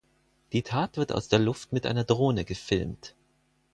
Die Tat wird aus der Luft mit einer Drohne gefilmt.